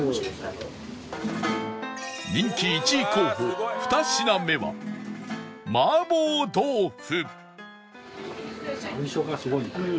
人気１位候補２品目は麻婆豆腐